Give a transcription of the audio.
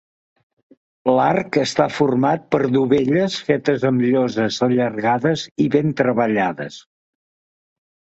L'arc està format per dovelles fetes amb lloses allargades i ben treballades.